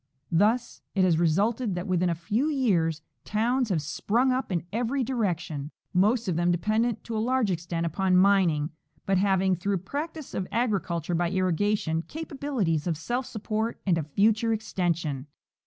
Thus it has resulted that within a few years towns have sp,rung up in every direction, most of them dependent to a large extent upon mining, but having, through practice of agri culture by irrigation, capabilities of self support and of future extension.